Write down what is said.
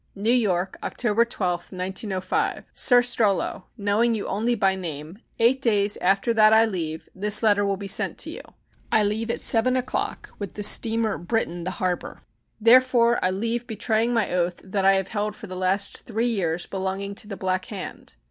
New York, Oct. 12, 1905. Sir Strollo, knowing you only by name, eight days after that I leave this letter will be sent to you. I leave at seven o'clock with the Steamer Britain the Harbor. Therefore I leave betraying my oath that I have held for the last three years belonging to the Black Hand.